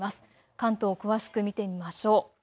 関東、詳しく見てみましょう。